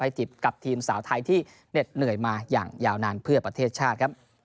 ติดกับทีมสาวไทยที่เหน็ดเหนื่อยมาอย่างยาวนานเพื่อประเทศชาติครับ